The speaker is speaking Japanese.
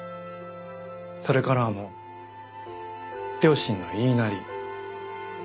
それからはもう両親の言いなり。